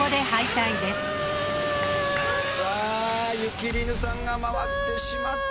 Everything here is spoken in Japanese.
さあゆきりぬさんが回ってしまった。